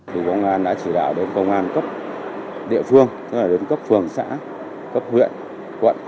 thì công an đã chỉ đạo đến công an cấp địa phương tức là đến cấp phường xã cấp huyện quận